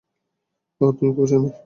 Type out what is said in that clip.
অহ, তুমি খুবই সুন্দর।